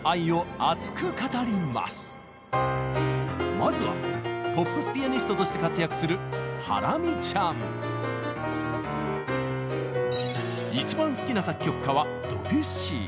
まずはポップスピアニストとして活躍する一番好きな作曲家はドビュッシー。